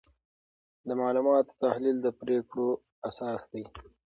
د معلوماتو تحلیل د پریکړو اساس دی.